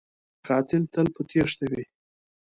قاتل تل په تیښته وي